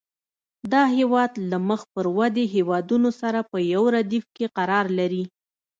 دا هېواد له مخ پر ودې هېوادونو سره په یو ردیف کې قرار لري.